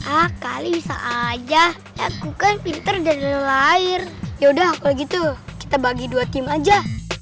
ah kali bisa aja aku kan pinter dari lahir yaudah kalau gitu kita bagi dua tim aja